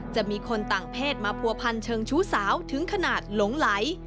จะมีคนต่างเพศมาผัวพันเชิงชู้สาวถึงขนาดหลงไหล